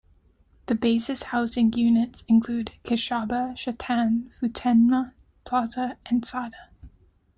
The base's housing units include Kishaba, Chatan, Futenma, Plaza and Sada.